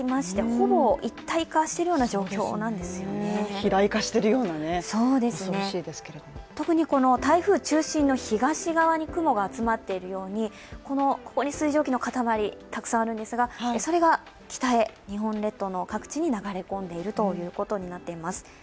肥大化しているような恐ろしいですけれども特に台風中心の東側に雲が集まっているようにここに水蒸気のかたまりがありましてそれが日本列島の各地に流れ込んできているということになっています。